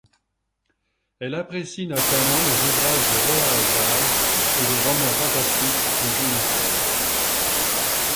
Elle apprécie notamment les ouvrages de Roald Dahl et les romans fantastiques en général.